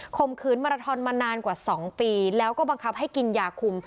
มขืนมาราทอนมานานกว่า๒ปีแล้วก็บังคับให้กินยาคุม